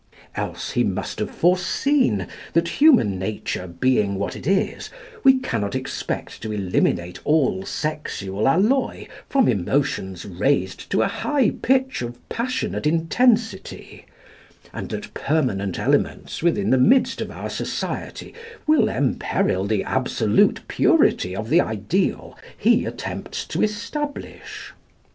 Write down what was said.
Else he must have foreseen that, human nature being what it is, we cannot expect to eliminate all sexual alloy from emotions raised to a high pitch of passionate intensity, and that permanent elements within the midst of our society will emperil the absolute purity of the ideal he attempts to establish.